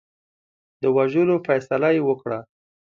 د وژلو فیصله یې وکړه.